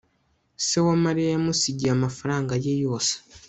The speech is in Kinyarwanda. se wa mariya yamusigiye amafaranga ye yose